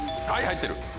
はい入ってる。